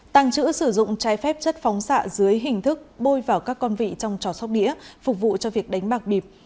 tăng chữ sử dụng trái phép chất phóng xạ dưới hình thức bôi vào các con vị trong trò sóc đĩa phục vụ cho việc đánh bạc bịp